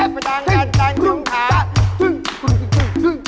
เป็นไง